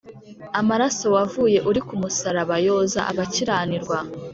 Amaraso wavuye uri kumusaraba yoza abakiranirwa